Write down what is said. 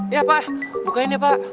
iya pak bukain deh pak